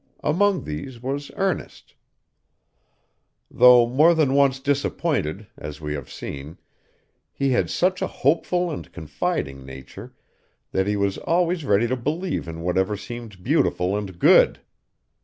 Among these was Ernest. Though more than once disappointed, as we have seen, he had such a hopeful and confiding nature, that he was always ready to believe in whatever seemed beautiful and good.